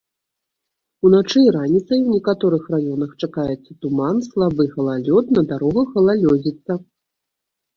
Уначы і раніцай у некаторых раёнах чакаецца туман, слабы галалёд, на дарогах галалёдзіца.